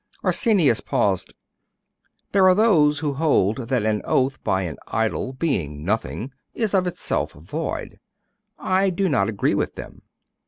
Arsenius paused. 'There are those who hold that an oath by an idol, being nothing, is of itself void. I do not agree with them.